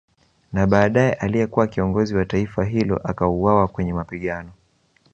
Na badae aliyekuwa kiongozi wa taifa hilo akauwawa kwenye mapigano